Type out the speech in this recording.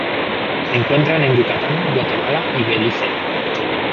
Se encuentran en Yucatán, Guatemala y Belice.